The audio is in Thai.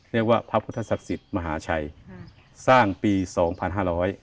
เรียกว่าพระพุทธศักดิ์สิทธิ์มหาชัยอืมสร้างปีสองพันห้าร้อย